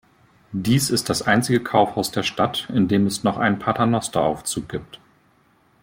Dies ist das einzige Kaufhaus der Stadt, in dem es noch einen Paternosteraufzug gibt.